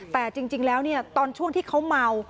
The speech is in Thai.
แต่จริงแล้วตอนช่วงที่เขาเมา